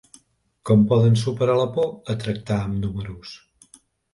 Com podem superar la por a tractar amb números?